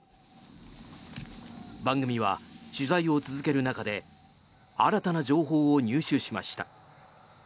番組は取材を続ける中で新たな情報を入手しました。